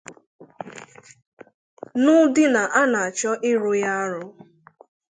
n'ụdị na a na-achọ ịrụ ya arụ